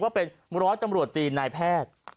ว่าเป็นร้อยตำรวจตีนายแพทย์